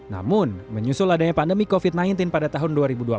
namun menyusul adanya pandemi covid sembilan belas pada tahun dua ribu dua puluh